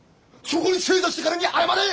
そこに正座してからに謝れ！